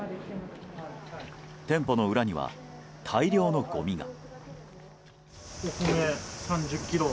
店舗の裏には大量のごみが。